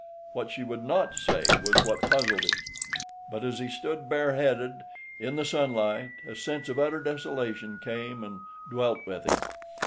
What she would not say was what puzzled him. But as he stood bareheaded in the sunlight a sense of utter desolation came and dwelt with him.